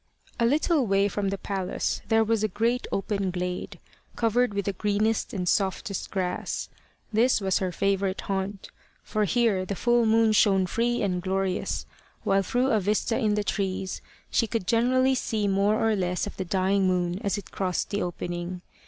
A little way from the palace there was a great open glade, covered with the greenest and softest grass. This was her favourite haunt; for here the full moon shone free and glorious, while through a vista in the trees she could generally see more or less of the dying moon as it crossed the opening.